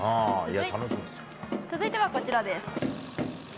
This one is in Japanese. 続いてはこちらです。